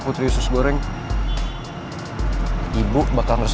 putri lagi sama pangeran